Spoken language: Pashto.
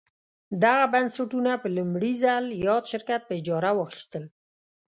دغه بنسټونه په لومړي ځل یاد شرکت په اجاره واخیستل.